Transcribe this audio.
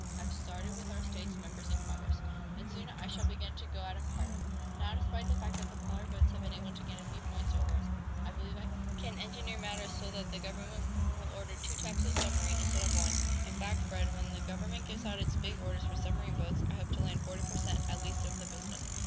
"I've started with our state's members in Congress, and soon I shall begin to go at 'em harder. Now, despite the fact that the Pollard boats have been able to gain a few points over us, I believe I can engineer matters so that the government will order two types of submarine, instead of one. In fact, Fred, when the government gives out its big orders for submarine boats, I hope to land forty per cent., at least, of the business."